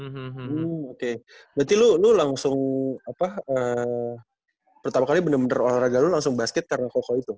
hmm hmm hmm oke berarti lo langsung apa pertama kali bener bener olahraga lo langsung basket karena koko itu